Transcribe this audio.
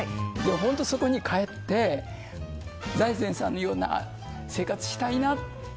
そこに帰って財前さんのような生活をしたいなって。